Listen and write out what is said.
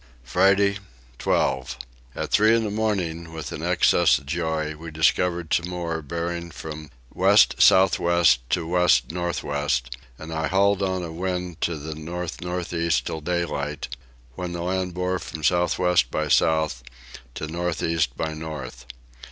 Friday 12. At three in the morning, with an excess of joy, we discovered Timor bearing from west south west to west north west, and I hauled on a wind to the north north east till daylight, when the land bore from south west by south to north east by north.